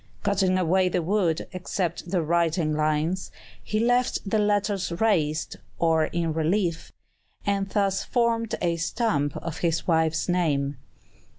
Cutting away the wood, except the writing lines, he left the letters raised, or in relief, and thus formed a stamp of his wife's name.